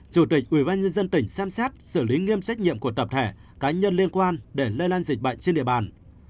chủ tịch ubnd tỉnh xem xét xử lý nghiêm trách nhiệm của tập thể cá nhân liên quan để lây lan dịch bệnh trên địa bàn